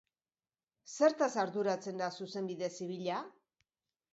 Zertaz arduratzen da Zuzenbide Zibila?